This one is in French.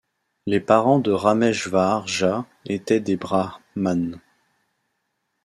Les parents de Râmeshvar Jhâ étaient des brahmanes.